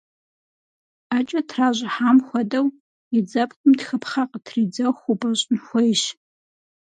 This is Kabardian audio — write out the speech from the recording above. Ӏэкӏэ тращӏыхьам хуэдэу, и дзэпкъым тхыпхъэ къытридзэху упӏэщӏын хуейщ.